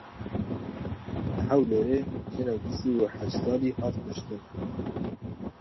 Li Hewlêrê jinek sih û heşt salî hat kuştin.